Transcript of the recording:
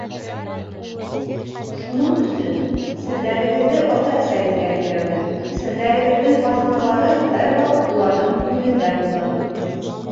Шунын өсөн серҙәрегеҙҙе ата-әсәгеҙгә һөйләгеҙ, серҙәрегеҙҙең хазиналары һәр ваҡыт уларҙың күңелдәрендә булһын!